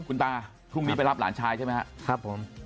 คุณตาทุกวันนี้ไปรับหลานชายใช่ไหมครับครับผม